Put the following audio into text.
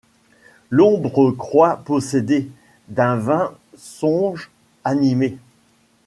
L’ombre croit posséder, d’un vain songe animée